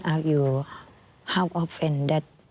ในโรศัพท์